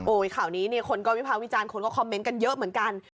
ข่าวนี้เนี่ยคนก็วิภาควิจารณ์คนก็คอมเมนต์กันเยอะเหมือนกัน